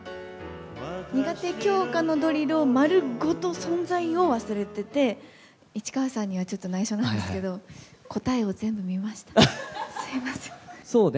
苦手教科のドリルを丸ごと存在を忘れてて、市川さんにはちょっとないしょなんですけど、答えを全部見ました。